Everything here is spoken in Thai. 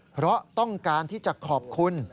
เพราะต้องการที่จะขอบคุณ